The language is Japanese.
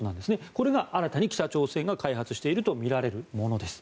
これが新たに北朝鮮が開発しているとみられるものです。